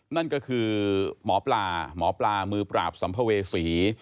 นั่นก็คือหมอปลาหมอปลามือปราบสัมภเวษี